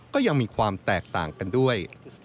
ก็ยังมีความแตกต่างกันด้วย